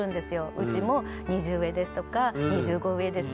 「うちも２０上です」とか「２５上です」